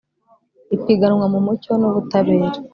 ipiganwa mu mucyo n’ ubutabera